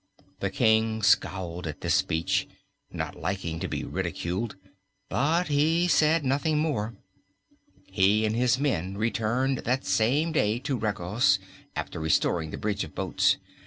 The King scowled at this speech, not liking to be ridiculed, but he said nothing more. He and his men returned that same day to Regos, after restoring the bridge of boats.